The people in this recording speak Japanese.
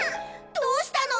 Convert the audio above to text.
どうしたの？